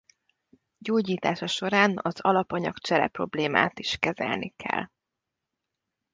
Gyógyítása során az alap anyagcsere-problémát is kezelni kell.